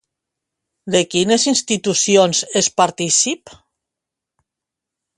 De quines institucions és partícip?